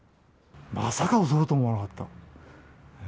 まさか襲うとは思わなかった。